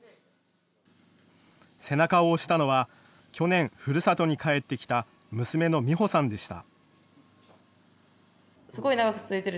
背中を押したのは去年、ふるさとに帰ってきた娘の美歩さんでした。